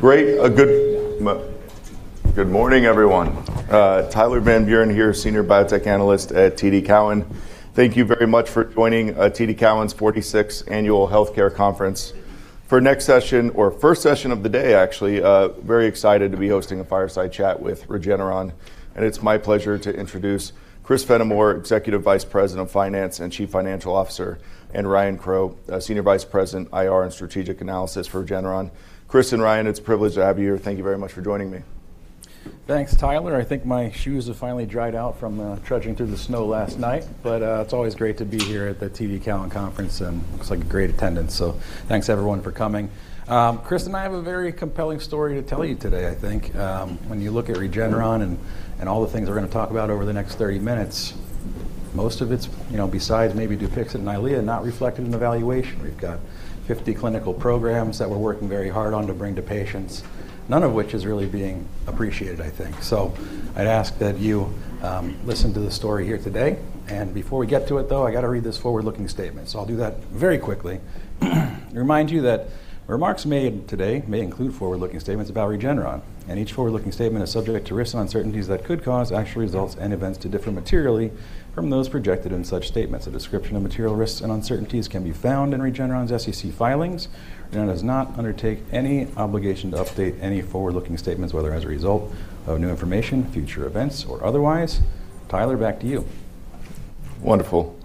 Great. Good morning, everyone. Tyler Van Buren here, Senior Biotech Analyst at TD Cowen. Thank you very much for joining, TD Cowen's 46th Annual Healthcare Conference. For next session or first session of the day actually, very excited to be hosting a fireside chat with Regeneron. It's my pleasure to introduce Christopher Fenimore, Executive Vice President of Finance and Chief Financial Officer, and Ryan Crowe, Senior Vice President, IR and Strategic Analysis for Regeneron. Chris and Ryan, it's a privilege to have you here. Thank you very much for joining me. Thanks, Tyler. I think my shoes have finally dried out from trudging through the snow last night. It's always great to be here at the TD Cowen conference, and it looks like a great attendance, thanks everyone for coming. Chris and I have a very compelling story to tell you today, I think. When you look at Regeneron and all the things we're gonna talk about over the next 30 minutes, most of it's, you know, besides maybe DUPIXENT and EYLEA, not reflected in the valuation. We've got 50 clinical programs that we're working very hard on to bring to patients, none of which is really being appreciated, I think. I'd ask that you listen to the story here today. Before we get to it, though, I gotta read this forward-looking statement, I'll do that very quickly. Remind you that remarks made today may include forward-looking statements about Regeneron. Each forward-looking statement is subject to risks and uncertainties that could cause actual results and events to differ materially from those projected in such statements. A description of material risks and uncertainties can be found in Regeneron's SEC filings. It does not undertake any obligation to update any forward-looking statements, whether as a result of new information, future events, or otherwise. Tyler, back to you. Wonderful.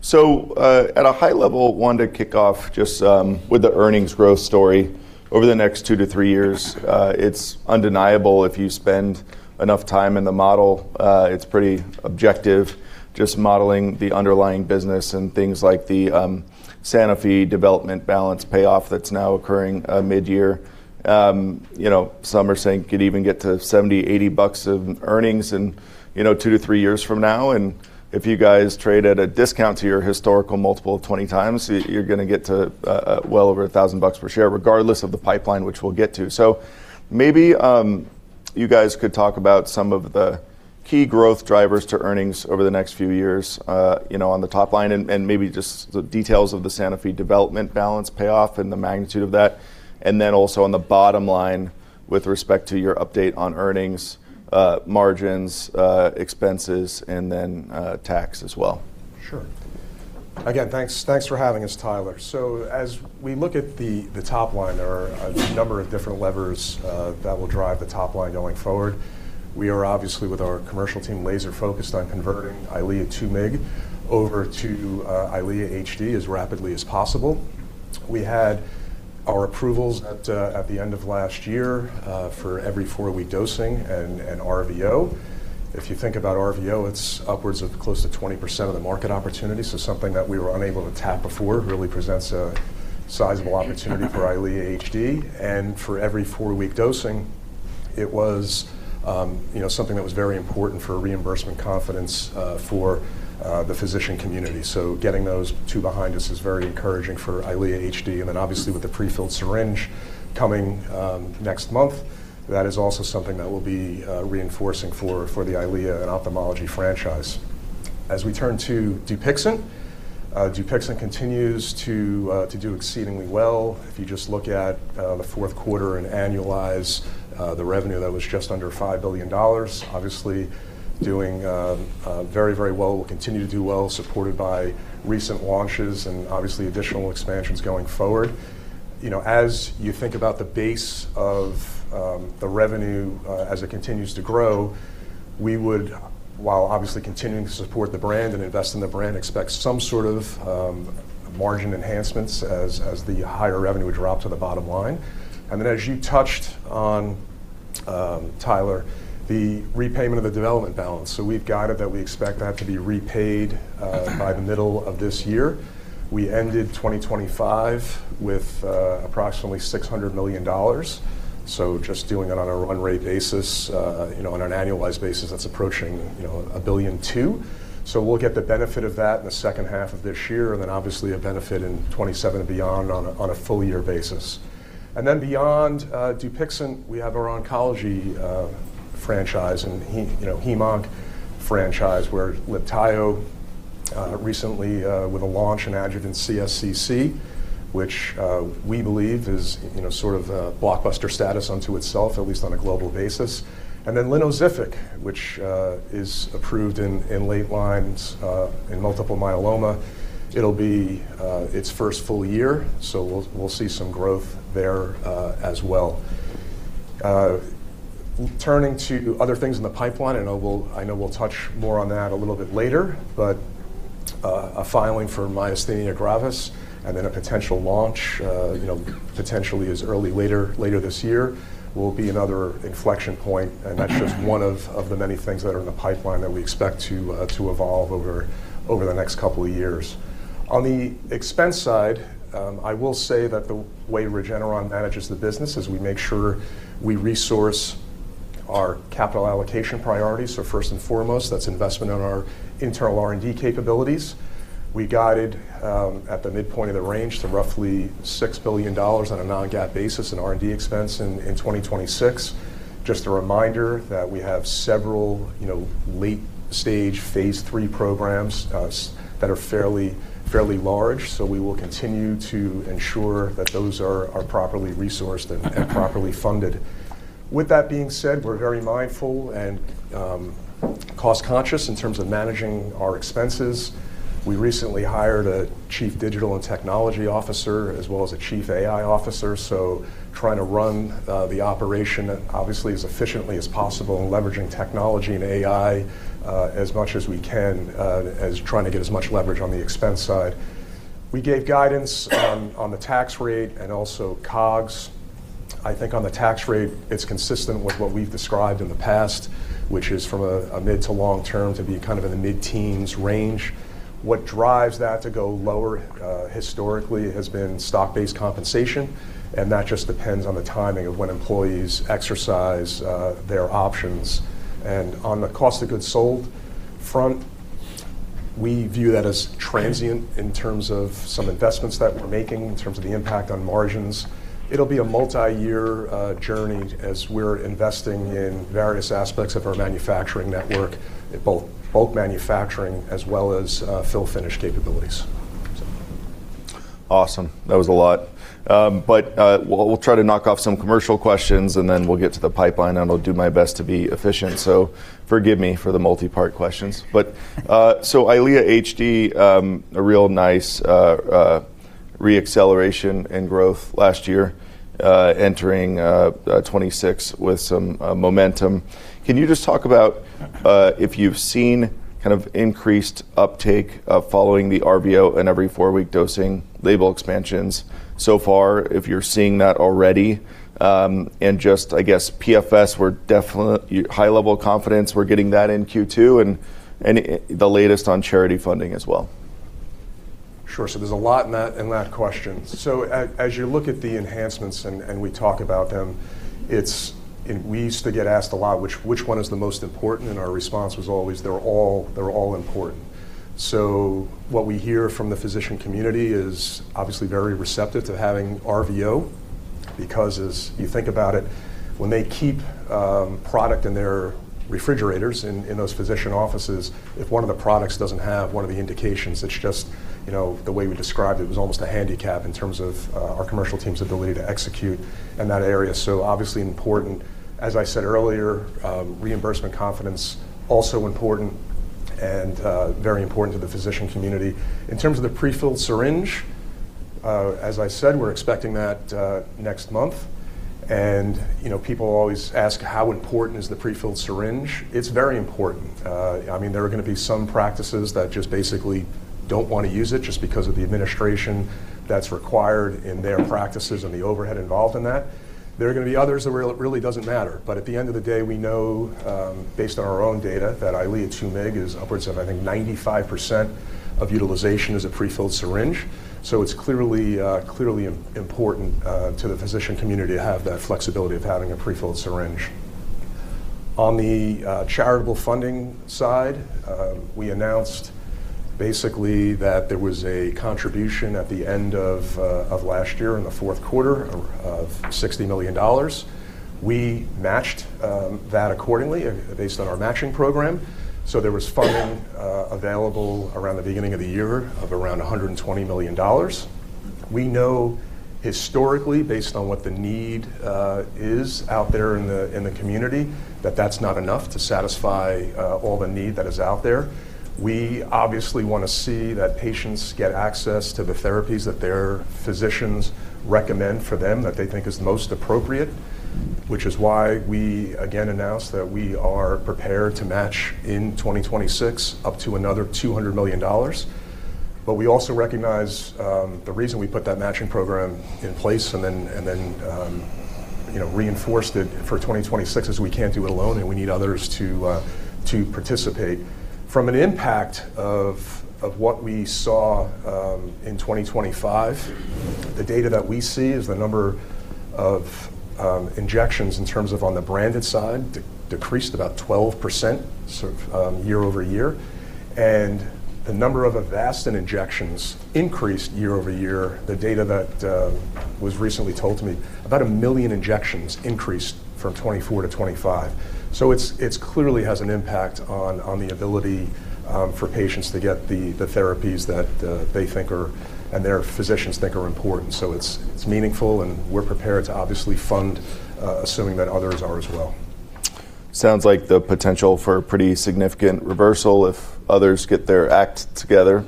At a high level, wanted to kick off just with the earnings growth story. Over the next two to three years, it's undeniable if you spend enough time in the model, it's pretty objective just modeling the underlying business and things like the Sanofi development balance payoff that's now occurring midyear. you know, some are saying could even get to $70, $80 bucks of earnings in, you know, two to three years from now. If you guys trade at a discount to your historical multiple of 20x, you're gonna get to well over $1,000 bucks per share, regardless of the pipeline, which we'll get to. Maybe, you guys could talk about some of the key growth drivers to earnings over the next few years, you know, on the top line and maybe just the details of the Sanofi development balance payoff and the magnitude of that. Also on the bottom line with respect to your update on earnings, margins, expenses, tax as well. Sure. Again, thanks for having us, Tyler. As we look at the top line, there are a number of different levers that will drive the top line going forward. We are obviously, with our commercial team, laser focused on converting EYLEA 2 mg over to EYLEA HD as rapidly as possible. We had our approvals at the end of last year for every-four-week dosing and RVO. If you think about RVO, it's upwards of close to 20% of the market opportunity, something that we were unable to tap before really presents a sizable opportunity for EYLEA HD. For every-four-week dosing, it was, you know, something that was very important for reimbursement confidence for the physician community. Getting those two behind us is very encouraging for EYLEA HD. Obviously with the pre-filled syringe coming next month, that is also something that we'll be reinforcing for the EYLEA and Ophthalmology franchise. As we turn to DUPIXENT continues to do exceedingly well. If you just look at the fourth quarter and annualize the revenue, that was just under $5 billion. Obviously doing very, very well. We'll continue to do well, supported by recent launches and obviously additional expansions going forward. You know, as you think about the base of the revenue, as it continues to grow, we would, while obviously continuing to support the brand and invest in the brand, expect some sort of margin enhancements as the higher revenue would drop to the bottom line. As you touched on, Tyler, the repayment of the development balance. We've guided that we expect that to be repaid by the middle of this year. We ended 2025 with approximately $600 million. Just doing it on a run rate basis, you know, on an annualized basis, that's approaching, you know, $1.2 billion. We'll get the benefit of that in the second half of this year, and then obviously a benefit in 2027 and beyond on a, on a full year basis. Beyond DUPIXENT, we have our oncology franchise and hemonc franchise, where Libtayo recently with a launch in adjuvant CSCC, which we believe is, you know, sort of a blockbuster status unto itself, at least on a global basis. And then Lynozyfic, which is approved in late lines, in multiple myeloma. It'll be its first full year, so we'll see some growth there as well. Turning to other things in the pipeline, I know we'll touch more on that a little bit later, but a filing for myasthenia gravis and then a potential launch, you know, potentially as early later this year will be another inflection point. That's just one of the many things that are in the pipeline that we expect to evolve over the next couple of years. On the expense side, I will say that the way Regeneron manages the business is we make sure we resource our capital allocation priorities. First and foremost, that's investment in our internal R&D capabilities. We guided at the midpoint of the range to roughly $6 billion on a non-GAAP basis in R&D expense in 2026. Just a reminder that we have several, you know, late-stage phase III programs that are fairly large, so we will continue to ensure that those are properly resourced and properly funded. With that being said, we're very mindful and cost-conscious in terms of managing our expenses. We recently hired a chief digital and technology officer, as well as a chief AI officer. Trying to run the operation obviously as efficiently as possible and leveraging technology and AI as much as we can as trying to get as much leverage on the expense side. We gave guidance on the tax rate and also COGS. I think on the tax rate, it's consistent with what we've described in the past, which is from a mid to long term to be kind of in the mid-teens range. What drives that to go lower historically has been stock-based compensation, and that just depends on the timing of when employees exercise their options. On the cost of goods sold front, we view that as transient in terms of some investments that we're making, in terms of the impact on margins. It'll be a multi-year journey as we're investing in various aspects of our manufacturing network, both bulk manufacturing as well as fill finish capabilities. Awesome. That was a lot. We'll try to knock off some commercial questions, then we'll get to the pipeline, and I'll do my best to be efficient. Forgive me for the multi-part questions. EYLEA HD, a real nice re-acceleration in growth last year, entering 2026 with some momentum. Can you just talk about if you've seen kind of increased uptake of following the RVO and every four-week dosing label expansions so far? If you're seeing that already, and just, I guess, PFS, we're high level confidence we're getting that in Q2, and the latest on charity funding as well. There's a lot in that question. As you look at the enhancements and we talk about them, and we used to get asked a lot which one is the most important, and our response was always, "They're all, they're all important." What we hear from the physician community is obviously very receptive to having RVO because as you think about it, when they keep product in their refrigerators in those physician offices, if one of the products doesn't have one of the indications, it's just, you know, the way we described it was almost a handicap in terms of our commercial team's ability to execute in that area. Obviously important. As I said earlier, reimbursement confidence also important and very important to the physician community. In terms of the prefilled syringe, as I said, we're expecting that next month. You know, people always ask, "How important is the prefilled syringe?" It's very important. I mean, there are gonna be some practices that just basically don't wanna use it just because of the administration that's required in their practices and the overhead involved in that. There are gonna be others that really doesn't matter. At the end of the day, we know, based on our own data that EYLEA 2 mg is upwards of, I think 95% of utilization is a prefilled syringe. It's clearly important to the physician community to have that flexibility of having a prefilled syringe. On the charitable funding side, we announced basically that there was a contribution at the end of last year in the fourth quarter of $60 million. We matched that accordingly based on our matching program. There was funding available around the beginning of the year of around $120 million. We know historically, based on what the need is out there in the community, that that's not enough to satisfy all the need that is out there. We obviously wanna see that patients get access to the therapies that their physicians recommend for them that they think is most appropriate, which is why we again announced that we are prepared to match in 2026 up to another $200 million. We also recognize, you know, the reason we put that matching program in place and reinforced it for 2026 is we can't do it alone and we need others to participate. From an impact of what we saw in 2025, the data that we see is the number of injections in terms of on the branded side decreased about 12% year-over-year. The number of Avastin injections increased year-over-year. The data that was recently told to me, about 1 million injections increased from 2024 to 2025. It's clearly has an impact on the ability for patients to get the therapies that they think are and their physicians think are important. It's meaningful, and we're prepared to obviously fund, assuming that others are as well. Sounds like the potential for pretty significant reversal if others get their act together.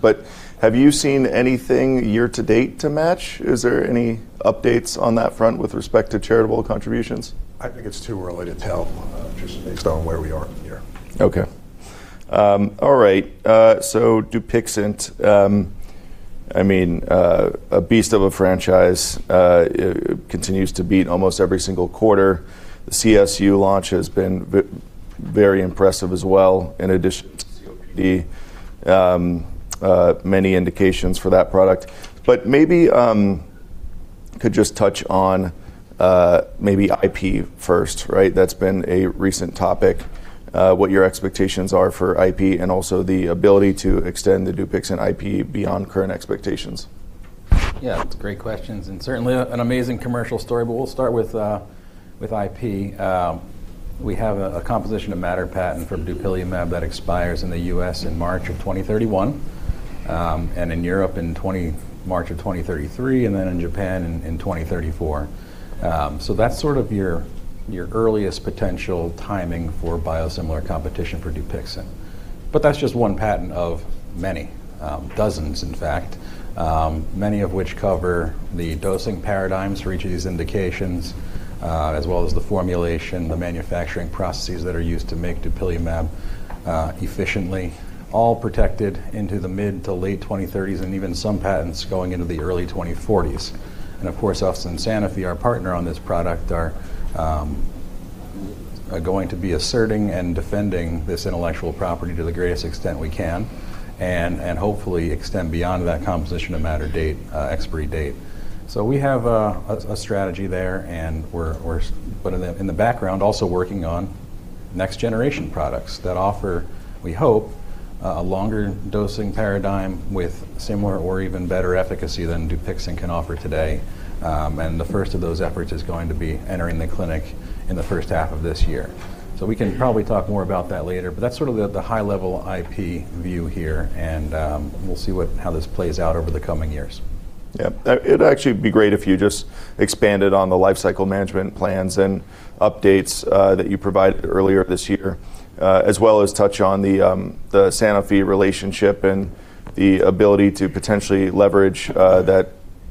Have you seen anything year to date to match? Is there any updates on that front with respect to charitable contributions? I think it's too early to tell, just based on where we are in the year. Okay. All right. DUPIXENT, I mean, a beast of a franchise, it continues to beat almost every single quarter. The CSU launch has been very impressive as well, in addition to COPD, many indications for that product. Maybe, could just touch on maybe IP first, right? That's been a recent topic, what your expectations are for IP and also the ability to extend the DUPIXENT IP beyond current expectations. Yeah, it's great questions and certainly an amazing commercial story, but we'll start with IP. We have a composition of matter patent for dupilumab that expires in the U.S. in March of 2031, and in Europe in March of 2033, and then in Japan in 2034. That's sort of your earliest potential timing for biosimilar competition for DUPIXENT. That's just one patent of many, dozens, in fact, many of which cover the dosing paradigms for each of these indications, as well as the formulation, the manufacturing processes that are used to make dupilumab efficiently, all protected into the mid to late 2030s and even some patents going into the early 2040s. Of course, us and Sanofi, our partner on this product, are going to be asserting and defending this intellectual property to the greatest extent we can and hopefully extend beyond that composition of matter date expiry date. We have a strategy there and we're but in the background, also working on next-generation products that offer, we hope, a longer dosing paradigm with similar or even better efficacy than DUPIXENT can offer today. The first of those efforts is going to be entering the clinic in the first half of this year. We can probably talk more about that later, but that's sort of the high-level IP view here, and we'll see how this plays out over the coming years. It'd actually be great if you just expanded on the lifecycle management plans and updates that you provided earlier this year as well as touch on the Sanofi relationship and the ability to potentially leverage that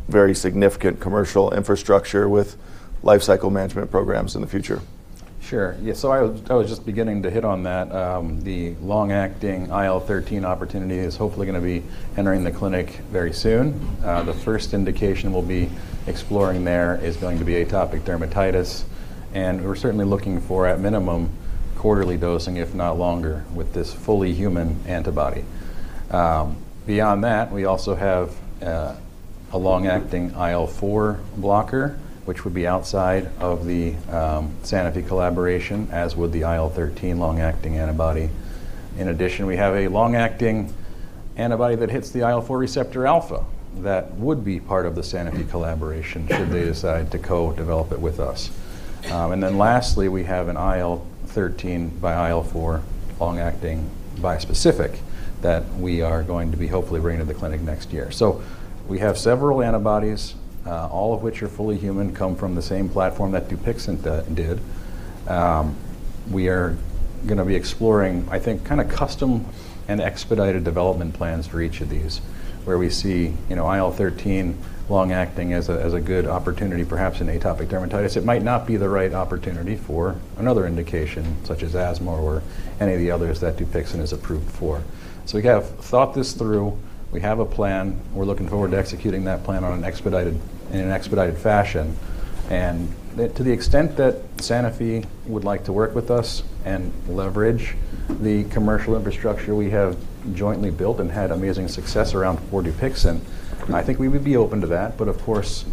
very significant commercial infrastructure with lifecycle management programs in the future. Sure. Yeah, I was just beginning to hit on that. The long-acting IL-13 opportunity is hopefully gonna be entering the clinic very soon. The first indication we'll be exploring there is going to be atopic dermatitis. We're certainly looking for at minimum quarterly dosing, if not longer, with this fully human antibody. Beyond that, we also have a long-acting IL-4 blocker, which would be outside of the Sanofi collaboration, as would the IL-13 long-acting antibody. In addition, we have a long-acting antibody that hits the IL-4 receptor alpha that would be part of the Sanofi collaboration should they decide to co-develop it with us. Lastly, we have an IL-13 by IL-4 long-acting bispecific that we are going to be hopefully bringing to the clinic next year. We have several antibodies, all of which are fully human, come from the same platform that DUPIXENT did. We are gonna be exploring, I think, kinda custom and expedited development plans for each of these, where we see, you know, IL-13 long-acting as a good opportunity, perhaps in atopic dermatitis. It might not be the right opportunity for another indication, such as asthma or any of the others that DUPIXENT is approved for. We have thought this through. We have a plan. We're looking forward to executing that plan in an expedited fashion. To the extent that Sanofi would like to work with us and leverage the commercial infrastructure we have jointly built and had amazing success around for DUPIXENT, I think we would be open to that. Of course,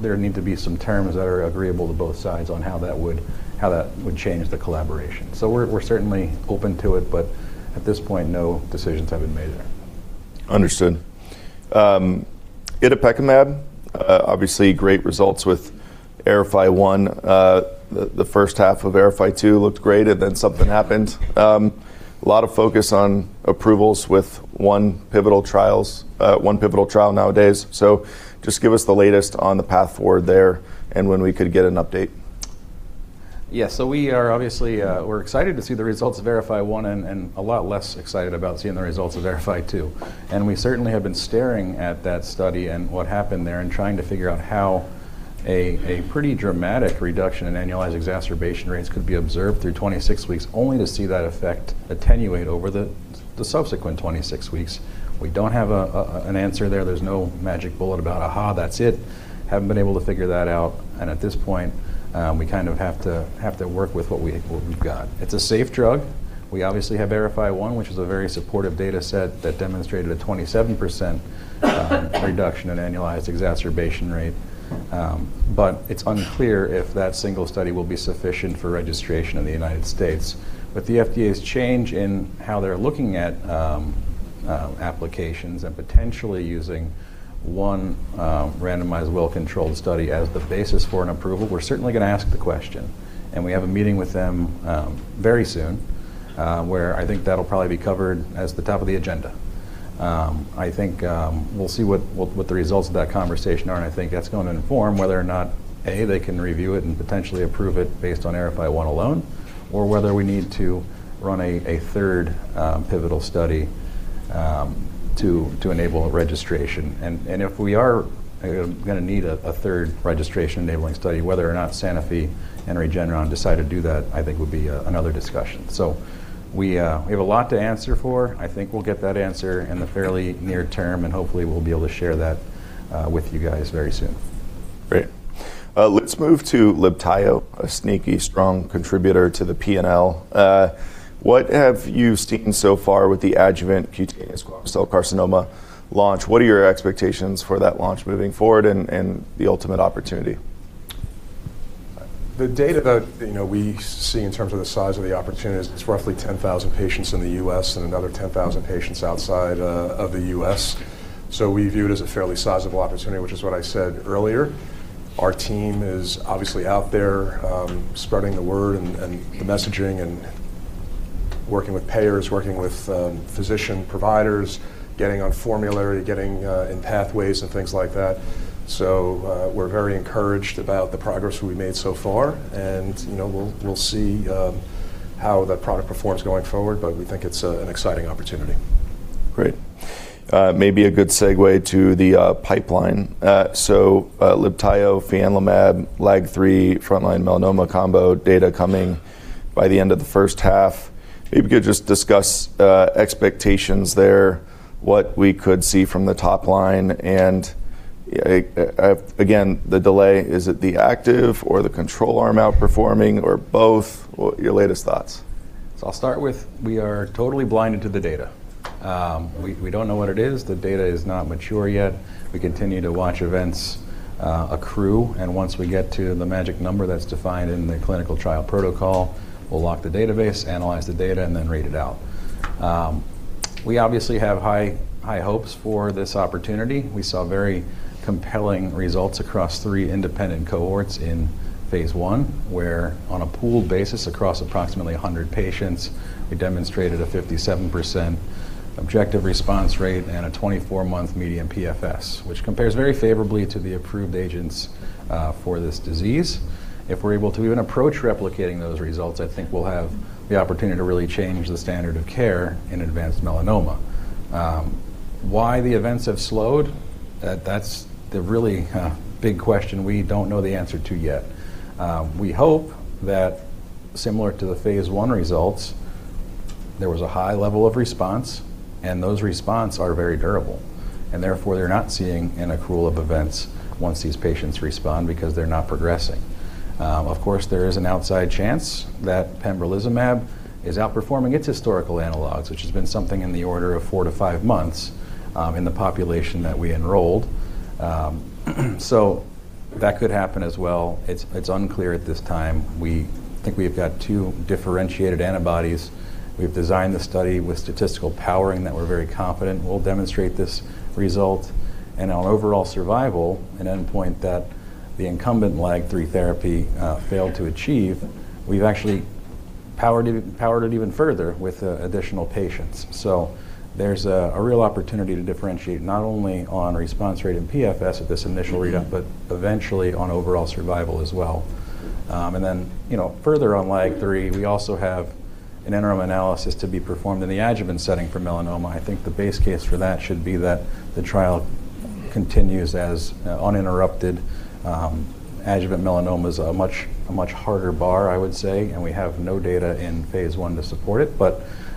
there need to be some terms that are agreeable to both sides on how that would change the collaboration. We're certainly open to it, but at this point, no decisions have been made there. Understood. Itepekimab, obviously great results with AERIFY-1. The first half of AERIFY-2 looked great, and then something happened. A lot of focus on approvals with one pivotal trials, one pivotal trial nowadays. Just give us the latest on the path forward there and when we could get an update. We are obviously, we're excited to see the results of AERIFY-1 and a lot less excited about seeing the results of AERIFY-2. We certainly have been staring at that study and what happened there and trying to figure out how a pretty dramatic reduction in annualized exacerbation rates could be observed through 26 weeks, only to see that effect attenuate over the subsequent 26 weeks. We don't have an answer there. There's no magic bullet about, "Aha, that's it." Haven't been able to figure that out. At this point, we kind of have to work with what we've got. It's a safe drug. We obviously have AERIFY-1, which is a very supportive data set that demonstrated a 27% reduction in annualized exacerbation rate. It's unclear if that single study will be sufficient for registration in the United States. With the FDA's change in how they're looking at applications and potentially using one randomized, well-controlled study as the basis for an approval, we're certainly gonna ask the question. We have a meeting with them, very soon, where I think that'll probably be covered as the top of the agenda. I think, we'll see what the results of that conversation are, and I think that's gonna inform whether or not, A, they can review it and potentially approve it based on AERIFY-1 alone, or whether we need to run a third pivotal study, to enable a registration. If we are gonna need a third registration-enabling study, whether or not Sanofi and Regeneron decide to do that, I think, would be another discussion. We have a lot to answer for. I think we'll get that answer in the fairly near term, and hopefully, we'll be able to share that with you guys very soon. Great. Let's move to Libtayo, a sneaky strong contributor to the P&L. What have you seen so far with the adjuvant cutaneous squamous cell carcinoma launch? What are your expectations for that launch moving forward and the ultimate opportunity? The data that, you know, we see in terms of the size of the opportunity is it's roughly 10,000 patients in the U.S. and another 10,000 patients outside of the U.S. We view it as a fairly sizable opportunity, which is what I said earlier. Our team is obviously out there, spreading the word and the messaging and working with payers, working with physician providers, getting on formulary, getting in pathways and things like that. We're very encouraged about the progress we've made so far and, you know, we'll see how that product performs going forward, but we think it's an exciting opportunity. Great. Maybe a good segue to the pipeline. Libtayo, fianlimab, LAG-3, frontline melanoma combo data coming by the end of the first half. Maybe you could just discuss expectations there, what we could see from the top line, and again, the delay. Is it the active or the control arm outperforming or both? What are your latest thoughts? I'll start with we are totally blinded to the data. We don't know what it is. The data is not mature yet. We continue to watch events accrue, and once we get to the magic number that's defined in the clinical trial protocol, we'll lock the database, analyze the data, and then read it out. We obviously have high hopes for this opportunity. We saw very compelling results across three independent cohorts in phase I, where on a pooled basis across approximately 100 patients, we demonstrated a 57% objective response rate and a 24-month median PFS, which compares very favorably to the approved agents for this disease. If we're able to even approach replicating those results, I think we'll have the opportunity to really change the standard of care in advanced melanoma. Why the events have slowed? That's the really big question we don't know the answer to yet. We hope that similar to the phase I results, there was a high level of response, and those response are very durable, and therefore, they're not seeing an accrual of events once these patients respond because they're not progressing. Of course, there is an outside chance that Pembrolizumab is outperforming its historical analogs, which has been something in the order of four to five months, in the population that we enrolled. That could happen as well. It's unclear at this time. We think we've got two differentiated antibodies. We've designed the study with statistical powering that we're very confident will demonstrate this result. On overall survival, an endpoint that the incumbent LAG-3 therapy, failed to achieve, we've actually powered it even further with additional patients. There's a real opportunity to differentiate not only on response rate and PFS at this initial readout, but eventually on overall survival as well. You know, further on LAG-3, we also have an interim analysis to be performed in the adjuvant setting for melanoma. I think the base case for that should be that the trial continues as uninterrupted. Adjuvant melanoma is a much harder bar, I would say, and we have no data in phase I to support it.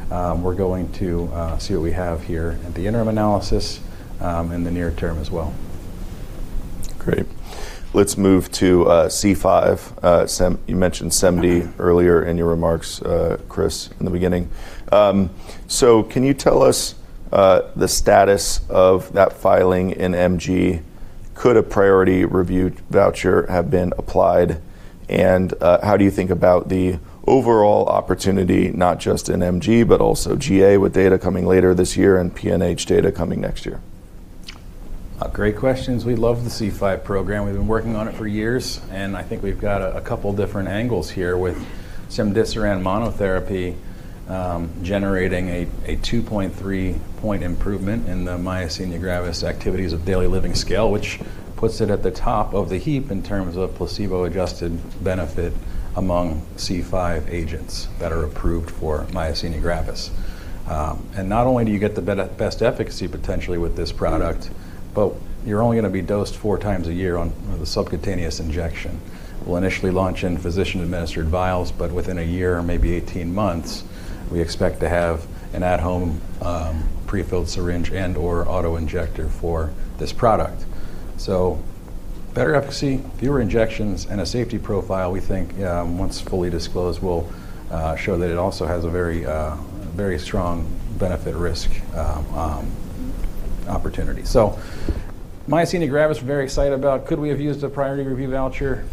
We're going to see what we have here at the interim analysis in the near term as well. Great. Let's move to C5. You mentioned cemdisiran earlier in your remarks, Chris, in the beginning. Can you tell us the status of that filing in MG? Could a priority review voucher have been applied? How do you think about the overall opportunity, not just in MG, but also GA with data coming later this year and PNH data coming next year? Great questions. We love the C5 program. We've been working on it for years. I think we've got a couple different angles here with cemdisiran monotherapy, generating a 2.3-point improvement in the myasthenia gravis activities of daily living scale, which puts it at the top of the heap in terms of placebo-adjusted benefit among C5 agents that are approved for myasthenia gravis. Not only do you get the best efficacy potentially with this product, but you're only gonna be dosed 4x a year on the subcutaneous injection. We'll initially launch in physician-administered vials, but within a year or maybe 18 months, we expect to have an at-home, prefilled syringe and/or auto-injector for this product. Better efficacy, fewer injections, and a safety profile we think, once fully disclosed, will show that it also has a very, very strong benefit risk opportunity. Myasthenia gravis, we're very excited about. Could we have used a priority review voucher?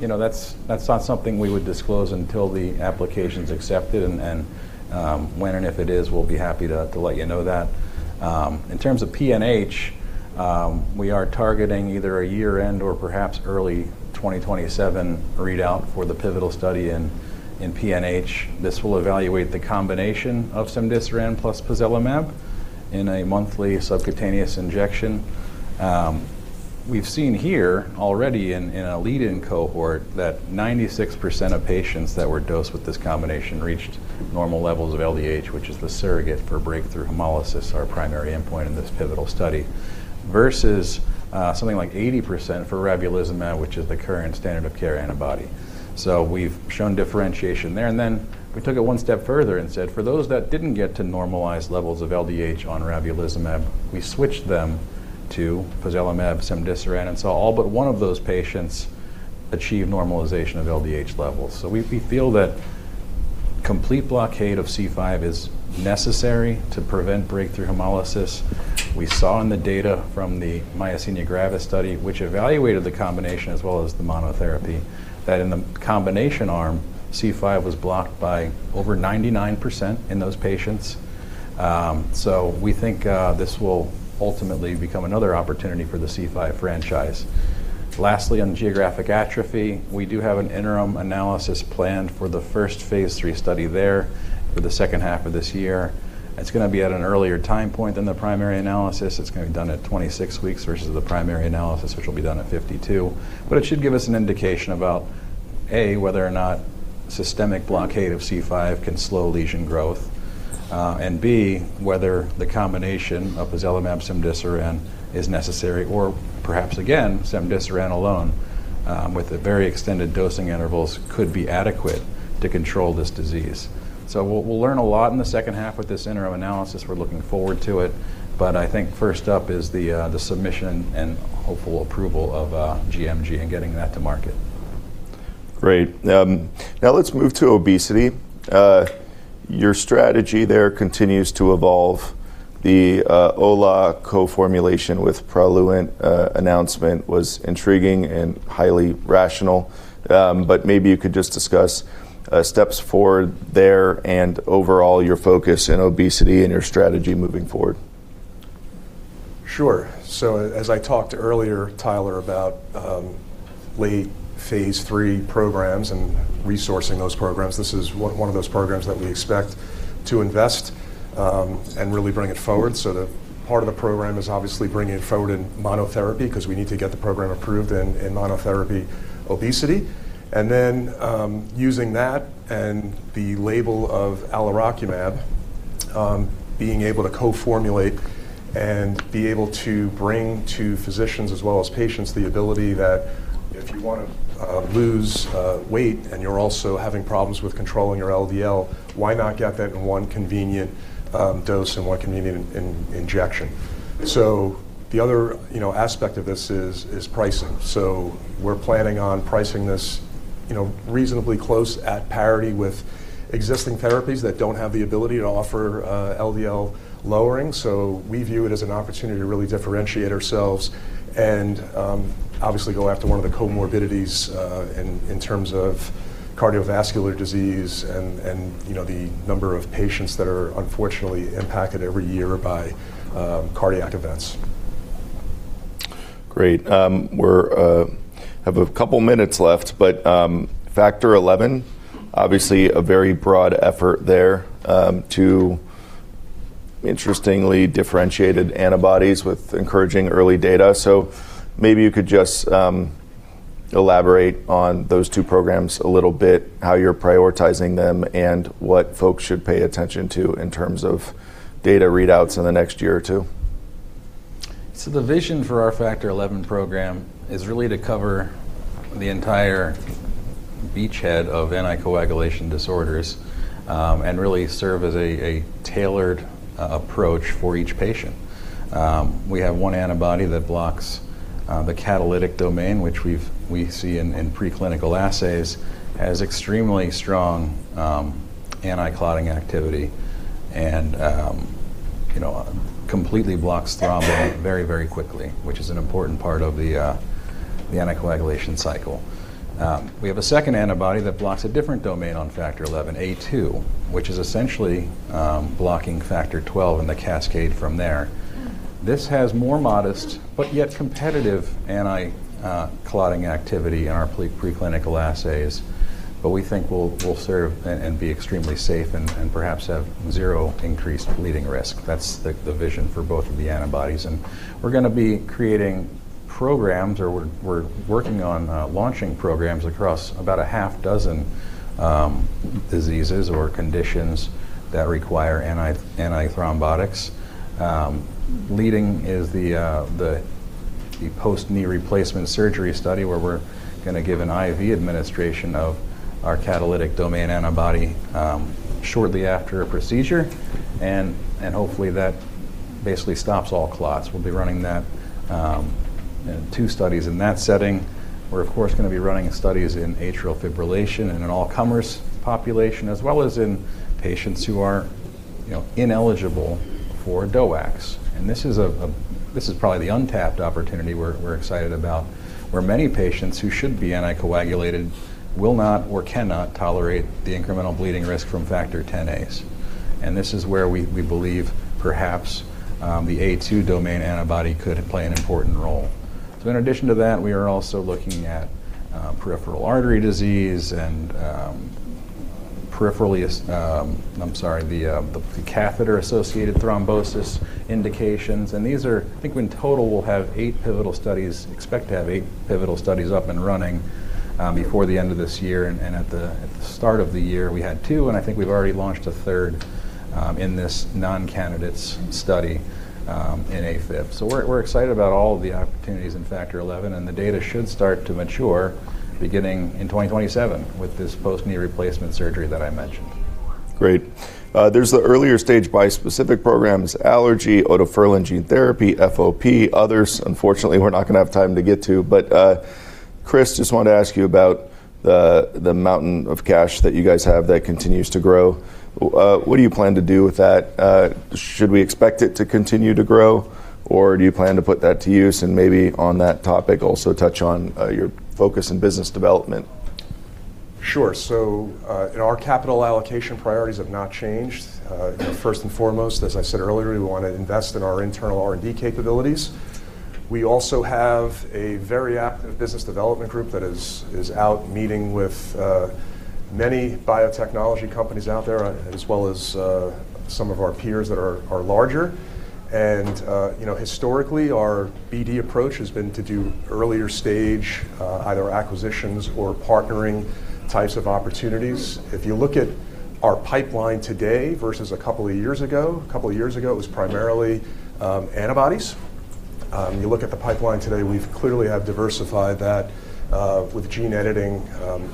You know, that's not something we would disclose until the application's accepted and when and if it is, we'll be happy to let you know that. In terms of PNH, we are targeting either a year-end or perhaps early 2027 readout for the pivotal study in PNH. This will evaluate the combination of cemdisiran plus pozelimab in a monthly subcutaneous injection. We've seen here already in a lead-in cohort that 96% of patients that were dosed with this combination reached normal levels of LDH, which is the surrogate for breakthrough hemolysis, our primary endpoint in this pivotal study, versus something like 80% for Ravulizumab, which is the current standard of care antibody. We've shown differentiation there, and then we took it one step further and said, for those that didn't get to normalized levels of LDH on Ravulizumab, we switched them to pozelimab, cemdisiran, and saw all but one of those patients achieve normalization of LDH levels. We, we feel that complete blockade of C5 is necessary to prevent breakthrough hemolysis. We saw in the data from the myasthenia gravis study, which evaluated the combination as well as the monotherapy, that in the combination arm, C5 was blocked by over 99% in those patients. This will ultimately become another opportunity for the C5 franchise. Lastly, on geographic atrophy, we do have an interim analysis planned for the first phase III study there for the second half of this year. It's gonna be at an earlier time point than the primary analysis. It's gonna be done at 26 weeks versus the primary analysis, which will be done at 52. It should give us an indication about, A, whether or not systemic blockade of C5 can slow lesion growth, and B, whether the combination of pozelimab cemdisiran is necessary, or perhaps again, cemdisiran alone, with the very extended dosing intervals could be adequate to control this disease. We'll learn a lot in the second half with this interim analysis. We're looking forward to it. I think first up is the submission and hopeful approval of GMG and getting that to market. Great. Now, let's move to obesity. Your strategy there continues to evolve. The ALN-APP co-formulation with Praluent announcement was intriguing and highly rational. Maybe you could just discuss steps forward there and overall your focus in obesity and your strategy moving forward. Sure. As I talked earlier, Tyler, about late phase III programs and resourcing those programs, this is one of those programs that we expect to invest and really bring it forward. The part of the program is obviously bringing it forward in monotherapy because we need to get the program approved in monotherapy obesity, and then, using that and the label of alirocumab, being able to co-formulate and be able to bring to physicians as well as patients the ability that if you wanna lose weight and you're also having problems with controlling your LDL, why not get that in one convenient dose and one convenient injection? The other, you know, aspect of this is pricing. We're planning on pricing this, you know, reasonably close at parity with existing therapies that don't have the ability to offer LDL lowering. We view it as an opportunity to really differentiate ourselves and obviously go after one of the comorbidities in terms of cardiovascular disease and, you know, the number of patients that are unfortunately impacted every year by cardiac events. Great. We have a couple minutes left, but Factor XI obviously a very broad effort there, two interestingly differentiated antibodies with encouraging early data. Maybe you could just elaborate on those two programs a little bit, how you're prioritizing them, and what folks should pay attention to in terms of data readouts in the next year or two. The vision for our Factor XI program is really to cover the entire beachhead of anticoagulation disorders and really serve as a tailored approach for each patient. We have one antibody that blocks the catalytic domain, which we see in preclinical assays as extremely strong anticlotting activity and, you know, completely blocks thrombin very, very quickly, which is an important part of the anticoagulation cycle. We have a second antibody that blocks a different domain on Factor XI, A2, which is essentially blocking Factor XII and the cascade from there. This has more modest, but yet competitive anticlotting activity in our preclinical assays, but we think will serve and be extremely safe and perhaps have zero increased bleeding risk. That's the vision for both of the antibodies, and we're gonna be creating programs, or we're working on launching programs across about a half dozen diseases or conditions that require anti-antithrombotics. Leading is the post-knee replacement surgery study where we're gonna give an IV administration of our catalytic domain antibody shortly after a procedure, and hopefully that basically stops all clots. We'll be running that in two studies in that setting. We're of course gonna be running studies in atrial fibrillation in an all-comers population, as well as in patients who are, you know, ineligible for DOACs. This is probably the untapped opportunity we're excited about, where many patients who should be anticoagulated will not or cannot tolerate the incremental bleeding risk from Factor Xa's. This is where we believe perhaps, the A2 domain antibody could play an important role. In addition to that, we are also looking at peripheral artery disease and catheter-associated thrombosis indications, expect to have eight pivotal studies up and running before the end of this year. At the start of the year, we had two, and I think we've already launched a third in this non-candidates study in AFib. We're excited about all of the opportunities in Factor XI, and the data should start to mature beginning in 2027 with this post-knee replacement surgery that I mentioned. Great. There's the earlier-stage bispecific programs, allergy, otoferlin gene therapy, FOP. Others, unfortunately, we're not gonna have time to get to. Chris, just wanted to ask you about the mountain of cash that you guys have that continues to grow. What do you plan to do with that? Should we expect it to continue to grow, or do you plan to put that to use? Maybe on that topic, also touch on, your focus in business development. Sure. Our capital allocation priorities have not changed. First and foremost, as I said earlier, we wanna invest in our internal R&D capabilities. We also have a very active business development group that is out meeting with many biotechnology companies out there as well as some of our peers that are larger. You know, historically, our BD approach has been to do earlier stage either acquisitions or partnering types of opportunities. If you look at our pipeline today versus a couple years ago, a couple years ago, it was primarily antibodies. You look at the pipeline today, we've clearly have diversified that with gene editing,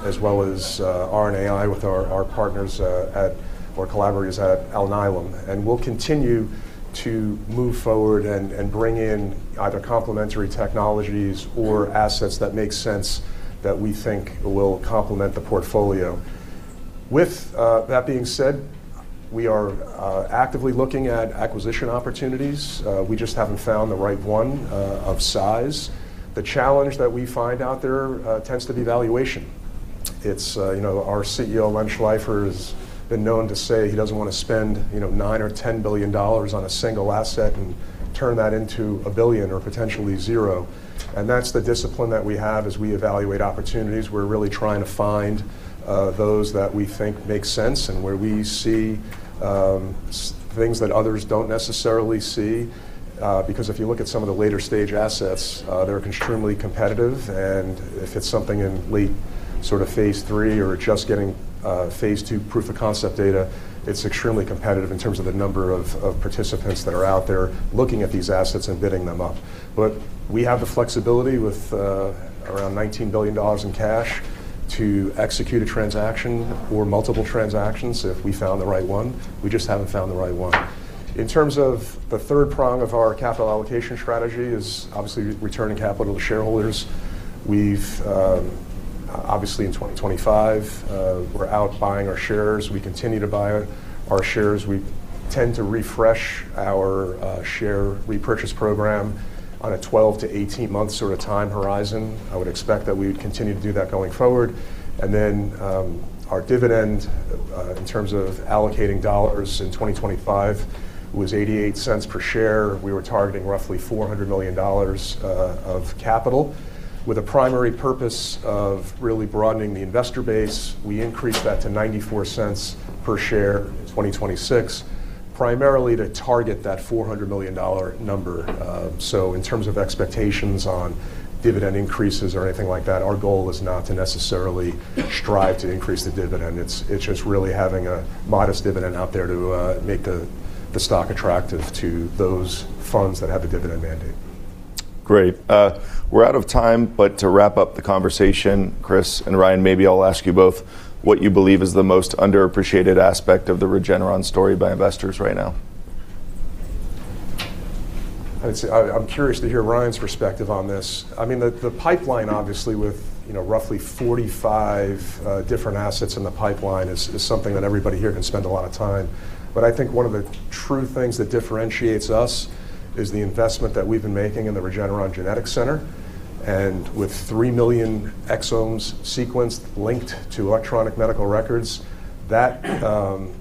as well as RNAi with our partners or collaborators at Alnylam. We'll continue to move forward and bring in either complementary technologies or assets that make sense that we think will complement the portfolio. With that being said, we are actively looking at acquisition opportunities. We just haven't found the right one of size. The challenge that we find out there tends to be valuation. It's, you know, our CEO, Len Schleifer, has been known to say he doesn't wanna spend, you know, $9 billion or $10 billion on a single asset and turn that into $1 billion or potentially zero. That's the discipline that we have as we evaluate opportunities. We're really trying to find those that we think make sense and where we see things that others don't necessarily see. Because if you look at some of the later stage assets, they're extremely competitive, and if it's something in late sort of phase III or just getting phase II proof of concept data, it's extremely competitive in terms of the number of participants that are out there looking at these assets and bidding them up. We have the flexibility with around $19 billion in cash to execute a transaction or multiple transactions if we found the right one. We just haven't found the right one. In terms of the third prong of our capital allocation strategy is obviously returning capital to shareholders. We've. Obviously, in 2025, we're out buying our shares. We continue to buy our shares. We tend to refresh our share repurchase program on a 12-18 month sort of time horizon. I would expect that we would continue to do that going forward. Our dividend, in terms of allocating dollars in 2025 was $0.88 per share. We were targeting roughly $400 million of capital with a primary purpose of really broadening the investor base. We increased that to $0.94 per share, 2026, primarily to target that $400 million number. In terms of expectations on dividend increases or anything like that, our goal is not to necessarily strive to increase the dividend. It's just really having a modest dividend out there to make the stock attractive to those funds that have a dividend mandate. Great. We're out of time. To wrap up the conversation, Chris and Ryan, maybe I'll ask you both what you believe is the most underappreciated aspect of the Regeneron story by investors right now. I'd say I'm curious to hear Ryan's perspective on this. I mean, the pipeline, obviously, with, you know, roughly 45 different assets in the pipeline is something that everybody here can spend a lot of time. I think one of the true things that differentiates us is the investment that we've been making in the Regeneron Genetics Center. With 3 million exomes sequenced linked to electronic medical records, that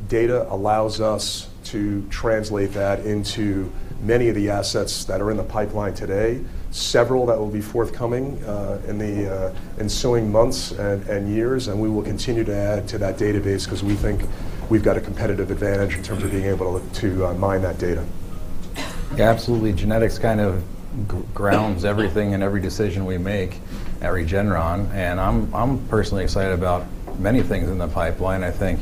data allows us to translate that into many of the assets that are in the pipeline today, several that will be forthcoming in the ensuing months and years. We will continue to add to that database 'cause we think we've got a competitive advantage in terms of being able to mine that data. Absolutely. Genetics kind of grounds everything and every decision we make at Regeneron, and I'm personally excited about many things in the pipeline. I think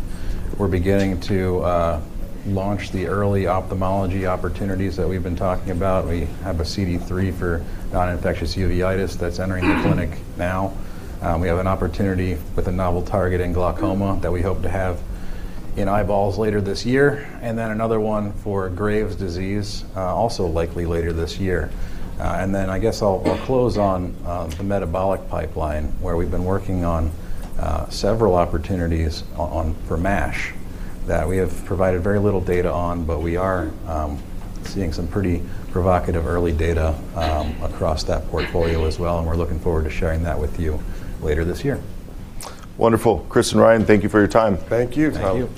we're beginning to launch the early ophthalmology opportunities that we've been talking about. We have a CD3 for non-infectious uveitis that's entering the clinic now. We have an opportunity with a novel target in glaucoma that we hope to have in eyeballs later this year, and then another one for Graves' disease also likely later this year. I guess I'll close on the metabolic pipeline, where we've been working on several opportunities for MASH that we have provided very little data on, but we are seeing some pretty provocative early data across that portfolio as well, and we're looking forward to sharing that with you later this year. Wonderful. Chris and Ryan, thank you for your time. Thank you. Thank you.